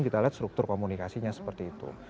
kita lihat struktur komunikasinya seperti itu